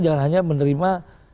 jangan hanya menerima